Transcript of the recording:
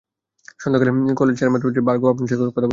সন্ধ্যাকালীন college চেয়ারম্যানপ্রার্থী বার্গভ আপনার সাথে কথা বলতে চায়।